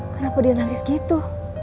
kenapa dia nangis gitu